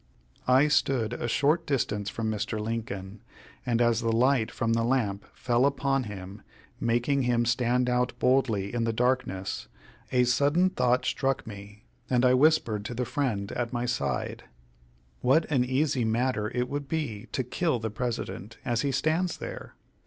I stood a short distance from Mr. Lincoln, and as the light from the lamp fell full upon him, making him stand out boldly in the darkness, a sudden thought struck me, and I whispered to the friend at my side: "What an easy matter would it be to kill the President, as he stands there!